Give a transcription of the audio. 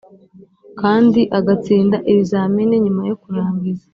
Kandi agatsinda ibizamini nyuma yo kurangiza